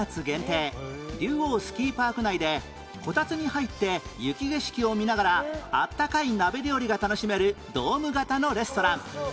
竜王スキーパーク内でこたつに入って雪景色を見ながら温かい鍋料理が楽しめるドーム型のレストラン